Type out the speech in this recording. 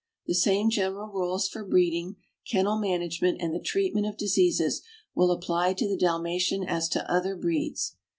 ^. The same general rules for breeding, kennel management, and the treatment of diseases will apply to the Dalmatian as to other breeds.